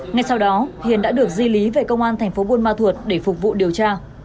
ngay sau đó hiền đã được di lý về công an thành phố buôn ma thuột để phục vụ điều tra